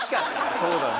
そうだね。